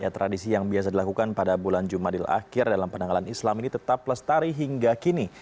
tradisi yang biasa dilakukan pada bulan jumadil akhir dalam penanggalan islam ini tetap lestari hingga kini